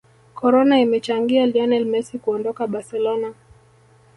corona imechangia lionel messi kuondoka barcelona